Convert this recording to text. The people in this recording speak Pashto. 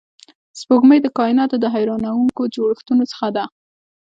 سپوږمۍ د کایناتو د حیرانونکو جوړښتونو څخه ده